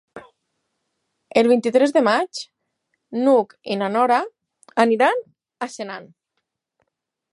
El vint-i-tres de maig n'Hug i na Nora iran a Senan.